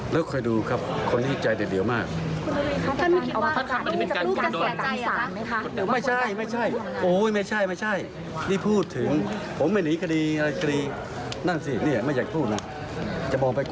แล้วคอยดูครับคนนี้ฮิตใจเดี๋ยวมาก